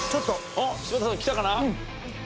おっ柴田さんきたかな？